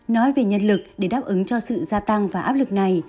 nói về nhân lực để đáp ứng cho sự gia tăng và áp lực này